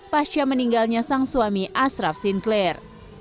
pasca meninggalnya sang suami ashraf sinclair